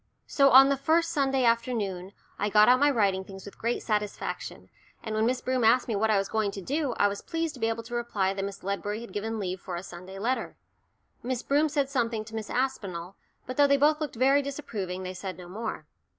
So on the first Sunday afternoon I got out my writing things with great satisfaction, and when Miss Broom asked me what I was going to do, I was pleased to be able to reply that Miss Ledbury had given leave for a Sunday letter. Miss Broom said something to Miss Aspinall, but though they both looked very disapproving, they said no more.